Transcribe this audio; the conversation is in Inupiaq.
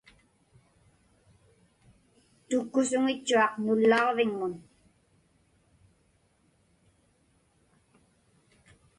Tukkusuŋitchuaq nullaġviŋmun.